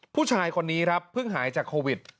ผู้ชายคนนี้ครับเพิ่งหายจากโควิด